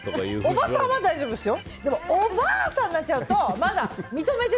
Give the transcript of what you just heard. おばさんは大丈夫ですよ。